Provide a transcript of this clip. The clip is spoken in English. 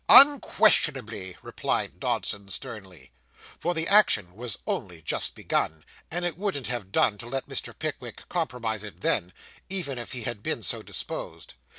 'Unquestionably,' replied Dodson sternly. For the action was only just begun; and it wouldn't have done to let Mr. Pickwick compromise it then, even if he had been so disposed.